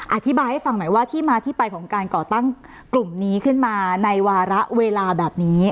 อธิบายให้ฟังหน่อยว่าที่มาที่ไปของการก่อตั้งกลุ่มนี้ขึ้นมาในวาระเวลาแบบนี้